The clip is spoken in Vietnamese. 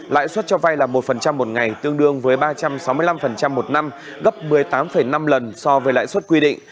lãi suất cho vay là một một ngày tương đương với ba trăm sáu mươi năm một năm gấp một mươi tám năm lần so với lãi suất quy định